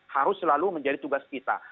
harus selalu menjadi tugas kita